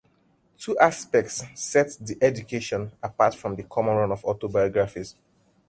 Two aspects set "The Education" apart from the common run of autobiographies.